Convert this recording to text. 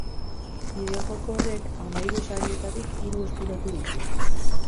Bideojoko horrek hamahiru sarietatik hiru eskuratu ditu.